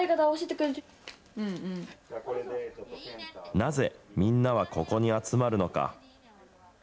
なぜ、みんなはここに集まるのか。